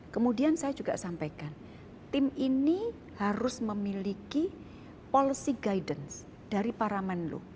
kemudian saya juga sampaikan tim ini harus memiliki policy guidance dari para menlu